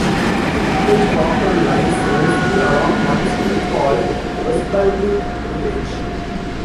The village proper lies mostly along one street called Osbaldwick Village.